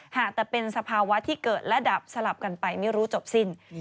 หากแต่เป็นสภาวะที่เกิดระดับสลับกันไปไม่รู้จบสิ้น